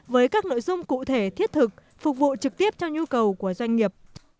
với các nội dung cụ thể thiết thực phục vụ trực tiếp cho nhu cầu của doanh nghiệp